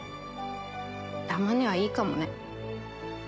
たまにはいいかもね。